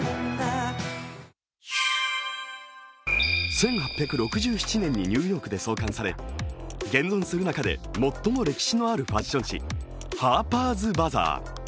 １８６７年にニューヨークで創刊され現存する中で最も歴史のあるファッション誌「Ｈａｒｐｅｒ’ｓＢＡＺＡＡＲ」。